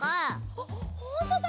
あっほんとだ！